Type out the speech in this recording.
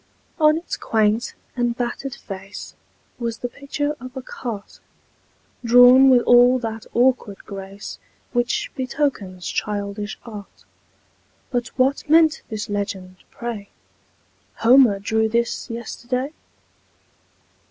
On its quaint and battered face Was the picture of a cart, Drawn with all that awkward grace Which betokens childish art; But what meant this legend, pray: "Homer drew this yesterday?"